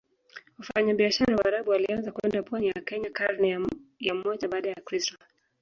Wafanyabiashara Waarabu walianza kwenda pwani ya Kenya karne ya moja baada ya kristo